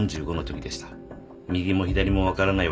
右も左も分からない